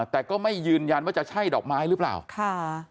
แต่ก็ไม่ยืนยันว่าจะใช่ดอกไม้หรือเปล่าค่ะ